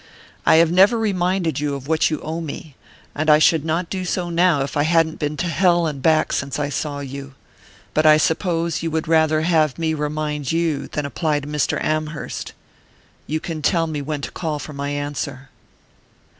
"I have never reminded you of what you owe me, and I should not do so now if I hadn't been to hell and back since I saw you. But I suppose you would rather have me remind you than apply to Mr. Amherst. You can tell me when to call for my answer."